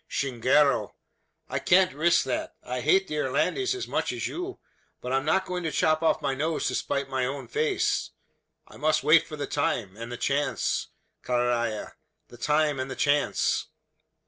Chingaro! I can't risk that. I hate the Irlandes as much as you; but I'm not going to chop off my nose to spite my own face. I must wait for the time, and the chance carrai, the time and the chance."